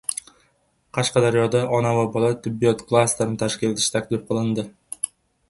Qashqadaryoda “Ona va bola tibbiyot klasteri”ni tashkil etish taklif qilindi